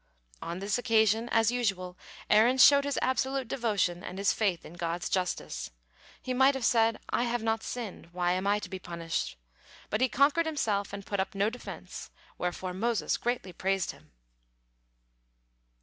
On this occasion, as usual, Aaron showed his absolute devotion and his faith in God's justice. He might have said, "I have not sinned; why am I to be punished?" but he conquered himself and put up no defense, wherefore Moses greatly praised him.